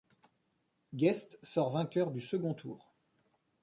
Guest sort vainqueur du second tour.